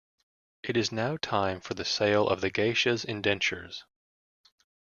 It is now time for the sale of the geishas' indentures.